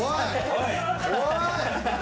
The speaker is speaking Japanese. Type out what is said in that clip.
おい！